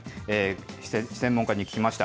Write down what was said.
専門家に聞きました。